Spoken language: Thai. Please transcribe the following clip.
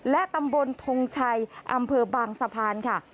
และตำบลทงชัยอำเภอบางสะพานค่ะ